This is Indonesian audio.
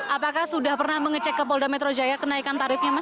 apakah sudah pernah mengecek ke polda metro jaya kenaikan tarifnya mas